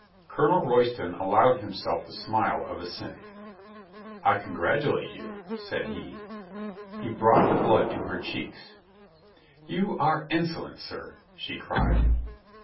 Colonel Royston allowed himself the smile of a cynic. "I congratulate you," said he. He brought the blood to her cheeks. "You are insolent, sir," she cried.